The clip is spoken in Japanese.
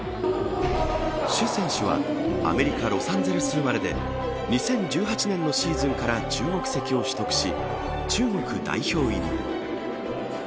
シュ選手はアメリカロサンゼルス生まれで２０１８年のシーズンから中国籍を取得し中国代表入り。